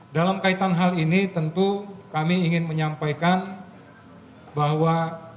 dalam kaitan hal ini tentu kami ingin menyampaikan bahwa